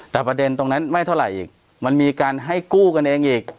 แต่ประเด็นตรงนั้นไม่เท่าไหร่อีกมันมีการให้กู้กันเองอีก